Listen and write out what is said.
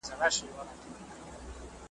چي زر چیغي وي یو ستونی زر لاسونه یو لستوڼی `